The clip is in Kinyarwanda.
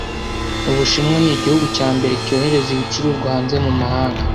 Ubushinwa n’igihugu cya mbere cyohereza ibicuruzwa hanze mu mahanga.